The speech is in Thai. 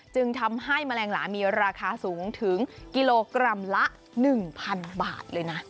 จึงทำให้แมลงหลามีราคาสูงถึงกิโลกรัมละ๑๐๐๐บาทเลยนะ